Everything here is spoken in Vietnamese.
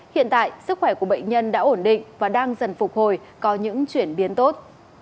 hiện tại sức khỏe của bệnh nhân đã ổn định và đang dần phục hồi có những chuyển biến tốt